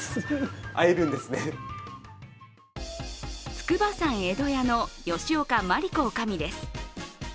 筑波山江戸屋の吉岡鞠子女将です。